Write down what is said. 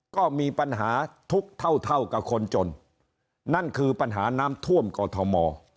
ก็มีปัญหาทุกข์เท่าเท่ากับคนจนนั่นคือปัญหาน้ำท่วมกอทม